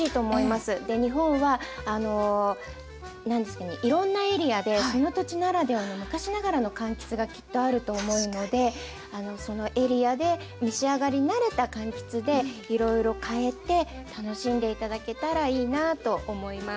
日本は何ですかねいろんなエリアでその土地ならではの昔ながらのかんきつがきっとあると思うのでそのエリアで召し上がり慣れたかんきつでいろいろかえて楽しんで頂けたらいいなあと思います。